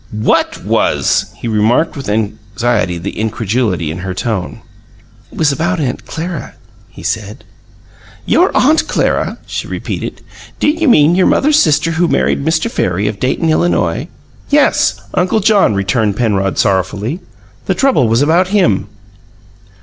"WHAT was?" He remarked with anxiety the incredulity in her tone. "It was about Aunt Clara," he said. "Your Aunt Clara!" she repeated. "Do you mean your mother's sister who married Mr. Farry of Dayton, Illinois?" "Yes Uncle John," returned Penrod sorrowfully. "The trouble was about him."